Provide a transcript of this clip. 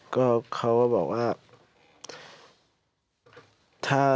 ก็เขาก็บอกว่า